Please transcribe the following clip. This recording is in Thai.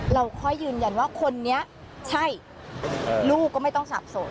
เราค่อยยืนยันว่าคนนี้ใช่ลูกก็ไม่ต้องสับสน